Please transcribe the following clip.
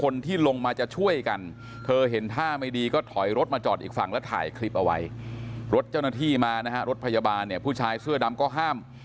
เนี่ยผู้ชายเสื้อดำก็ห้าม